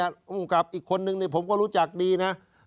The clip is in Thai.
โครงการ่ามีกลับอีกคนนึงเนี่ยผมก็รู้จักดีน่ะอ่า